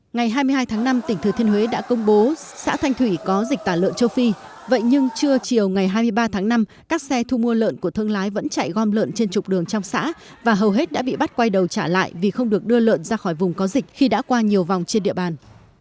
ngày hai mươi hai tháng năm tỉnh thừa thiên huế đã công bố xã thanh thủy có dịch tả lợn châu phi vậy nhưng trưa chiều ngày hai mươi ba tháng năm các xe thu mua lợn của thương lái vẫn chạy gom lợn trên trục đường trong xã và hầu hết đã bị bắt quay đầu trả lại vì không được đưa lợn ra khỏi vùng có dịch khi đã qua nhiều vòng trên địa bàn